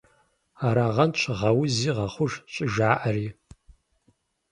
Арагъэнщ «Гъэузи – гъэхъуж!» щӏыжаӏари.